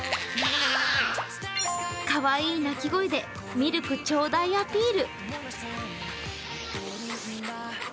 おなかがすくとかわいい鳴き声でミルクちょうだいアピール。